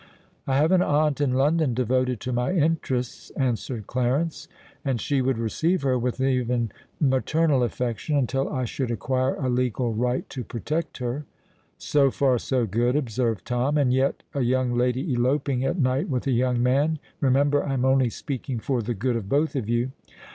"I have an aunt in London devoted to my interests," answered Clarence; "and she would receive her with even maternal affection until I should acquire a legal right to protect her." "So far, so good," observed Tom. "And yet a young lady eloping at night with a young man——remember, I am only speaking for the good of both of you."